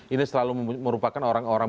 ini selalu merupakan orang orang